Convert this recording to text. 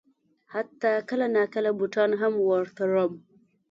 حتی کله ناکله بوټان هم ور تړم.